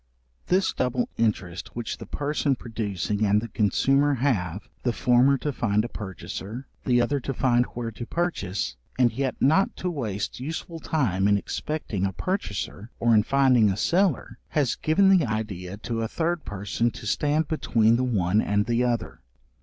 This double interest which the person producing and the consumer have, the former to find a purchaser, the other to find where to purchase, and yet not to waste useful time in expecting a purchaser, or in finding a seller, has given the idea to a third person to stand between the one and the other.